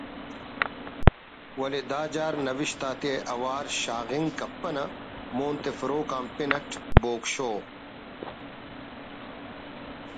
ولے دا جار نوشت آتے اوار شاغنگ کپنہ مون تفروک آتا پن اٹ ”بوگ شو“